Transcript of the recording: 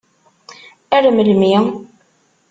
Ar melmi?